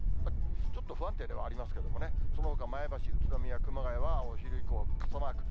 ちょっと不安定ではありますけどもね、そのほか前橋、宇都宮、熊谷はお昼以降、傘マーク。